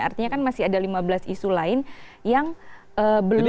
artinya kan masih ada lima belas isu lain yang belum